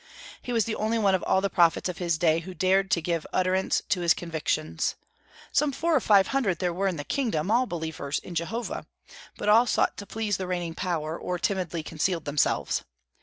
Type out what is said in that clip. He was the only one of all the prophets of his day who dared to give utterance to his convictions. Some four or five hundred there were in the kingdom, all believers in Jehovah; but all sought to please the reigning power, or timidly concealed themselves.